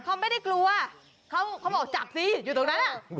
เขาไม่ได้กลัวเขาบอกจับสิอยู่ตรงนั้น